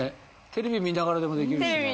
テレビ見ながらでもできるしね。